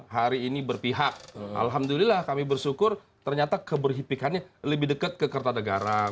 hari ini berpihak alhamdulillah kami bersyukur ternyata keberhipikannya lebih dekat ke kertanegara